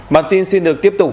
bản tin xin được tiếp tục